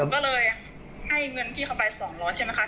ก็เลยให้เงินพี่เขาไป๒๐๐ใช่ไหมคะ